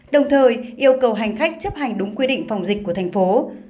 đồng thời yêu cầu hành khách chấp hành đúng quy định phòng dịch của thành phố